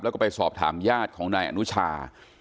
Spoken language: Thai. แล้วก็ไปสอบถามญาติของนายอนุชา